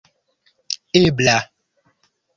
ebla